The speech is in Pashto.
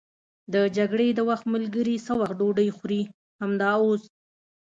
د جګړې د وخت ملګري څه وخت ډوډۍ خوري؟ همدا اوس.